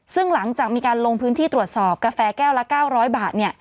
ซึ่งหลังจากมีการลงพื้นที่ตรวจสอบกาแฟแก้วละ๙๐๐บาท